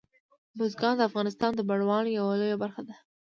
بزګان د افغانستان د بڼوالۍ یوه لویه برخه ده.